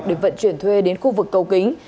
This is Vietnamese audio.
để vận chuyển thuê đến khu vực cầu kính